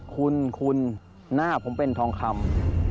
คุณคุณหน้าผมเป็นทองคำ